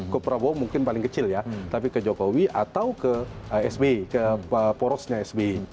ke prabowo mungkin paling kecil ya tapi ke jokowi atau ke sby ke porosnya sby